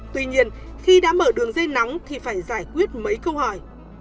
tuy nhiên khi đã mở đường dây nóng thì phải giải quyết mấy câu hỏi